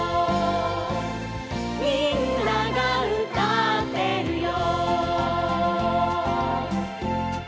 「みんながうたってるよ」